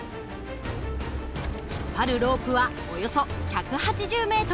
引っ張るロープはおよそ１８０ｍ。